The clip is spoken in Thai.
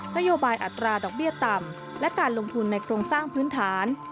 นโยบายอัตราดอกเบี้ยต่ำและการลงทุนในโครงสร้างพื้นฐาน